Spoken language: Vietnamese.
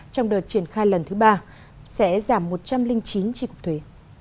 trong đợt triển khai lần thứ ba sẽ giảm một trăm linh chín tri cục thuế